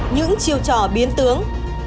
những chiêu trò biến tướng